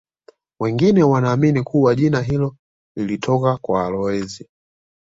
Wengine wanaamini kuwa jina hilo lilitoka kwa walowezi